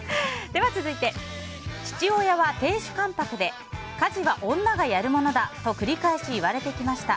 では続いて、父親は亭主関白で家事は女がやるものだと繰り返し言われてきました。